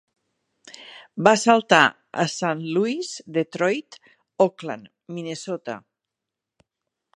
Va saltar a Saint Louis, Detroit, Oakland, Minnesota.